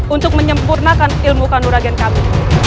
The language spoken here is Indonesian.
untuk menyempurnakan ilmu kanduragen kami